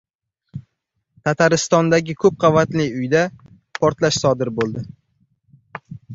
Tataristondagi ko‘p qavatli uyda portlash sodir bo‘ldi